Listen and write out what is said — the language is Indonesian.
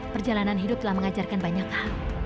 perjalanan hidup telah mengajarkan banyak hal